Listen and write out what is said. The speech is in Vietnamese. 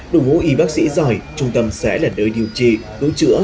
đội ngũ y bác sĩ giỏi trung tâm sẽ là nơi điều trị cứu chữa